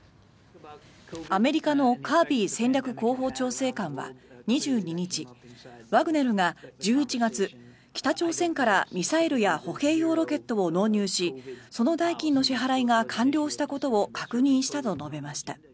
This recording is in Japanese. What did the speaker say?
アメリカのカービー戦略広報調整官は２２日ワグネルが１１月北朝鮮からミサイルや歩兵用ロケットを納入しその代金の支払いが完了したことを確認したと述べました。